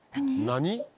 何？